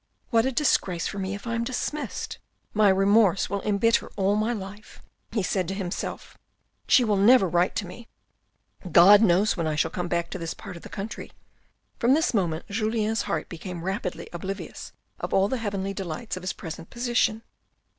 " What a disgrace for me if I am dismissed. My remorse will embitter all my life," he said to himself, " she will never write to me. God knows when I shall come back to this part of the country. From this moment Julien's heart became rapidly oblivious of all the heavenly delights of his present position.